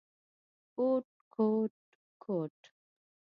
کوټ کوټ کوت…